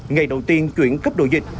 ngày đầu tiên chuyển cấp độ dịch